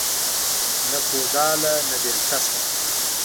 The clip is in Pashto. نه کوداله نه بيلچه شته